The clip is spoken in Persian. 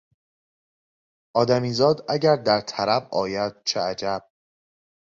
آدمیزاد اگر در طرب آید چه عجب...